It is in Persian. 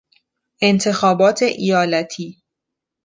انتخابات ایالتی